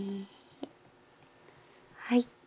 はい。